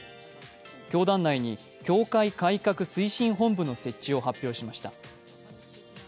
教団内に教会改革推進本部の設置を発表しました。